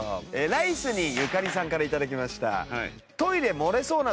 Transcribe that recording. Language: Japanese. ライスにゆかりさんから頂きました。